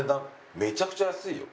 めちゃくちゃ安いよ。